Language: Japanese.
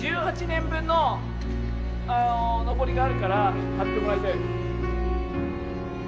１８年分ののぼりがあるから張ってもらいたい。